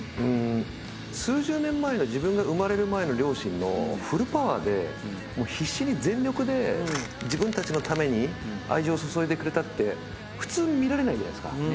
数十年前の自分が生まれる前の両親のフルパワーで必死に全力で自分たちのために愛情注いでくれたって普通見られないじゃないですか。